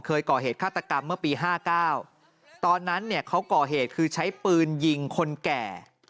เคยก่อเหตุฆาตกรรมเมื่อปี๕๙ตอนนั้นเนี่ยเขาก่อเหตุคือใช้ปืนยิงคนแก่